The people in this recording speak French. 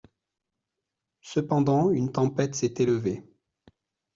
Cependant une tempête s'est élevée.